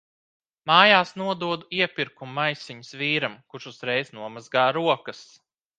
Mājās nododu iepirkumu maisiņus vīram, kurš uzreiz nomazgā rokas.